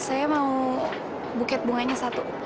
saya mau buket bunganya satu